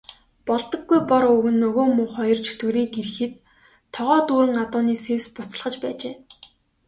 Болдоггүй Бор өвгөн нөгөө муу хоёр чөтгөрийг ирэхэд тогоо дүүрэн адууны сэвс буцалгаж байжээ.